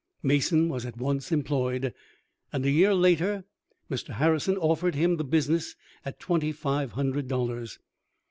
Mason was at once employed, and a year later Mr. Harrison offered him the business at twenty five hundred dollars.